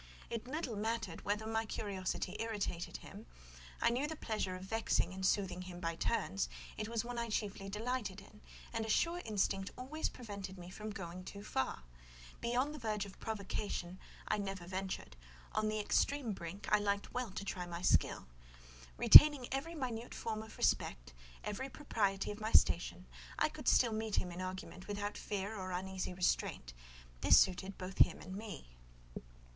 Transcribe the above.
It little mattered whether my curiosity irritated him; I knew the pleasure of vexing and soothing him by turns; it was one I chiefly delighted in, and a sure instinct always prevented me from going too far; beyond the verge of provocation I never ventured; on the extreme brink I liked well to try my skill. Retaining every minute form of respect, every propriety of my station, I could still meet him in argument without fear or uneasy restraint; this suited both him and me.